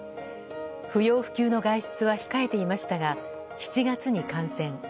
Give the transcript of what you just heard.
不要不急の外出は控えていましたが７月に感染。